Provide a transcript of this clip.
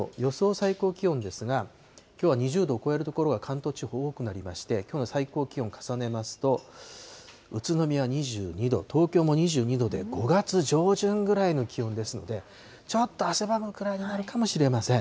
最高気温ですが、きょうは２０度を超える所は関東地方、多くなりまして、きょうの最高気温重ねますと、宇都宮２２度、東京も２２度で、５月上旬ぐらいの気温ですので、ちょっと汗ばむくらいになるかもしれません。